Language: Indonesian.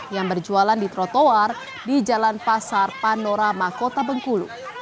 yang berjualan di trotoar di jalan pasar panorama kota bengkulu